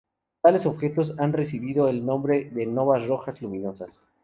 Tales objetos han recibido el nombre de novas rojas luminosas.